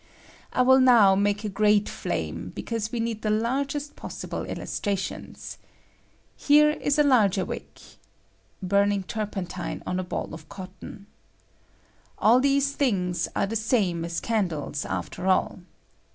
I will now make a great flame, because we need the largest possible illuatrations. Here is a larger wick [burning turpentine on a hall of cotton]. All these things are the same as candles, after all.